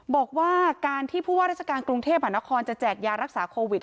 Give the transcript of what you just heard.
บอกว่าการที่ผู้ว่าราชการกรุงเทพหานครจะแจกยารักษาโควิด